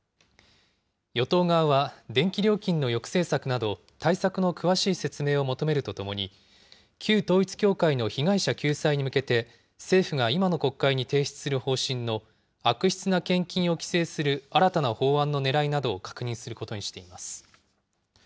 与党側は電気料金の抑制策など対策の詳しい説明を求めるとともに、旧統一教会の被害者救済に向けて、政府が今の国会に提出する方針の、悪質な献金を規制する新たな法案のねらいなどを確認することにしています。